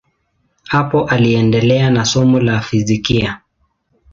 Hapo aliendelea na somo la fizikia.